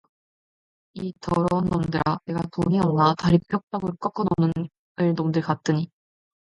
이 더러운 놈들아, 내가 돈이 없나, 다리뼉다구를 꺾어 놓을 놈들 같으니.